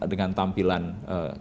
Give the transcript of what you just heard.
karena kita akan tampil dengan tampilan